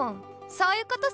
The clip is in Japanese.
そういうことさ。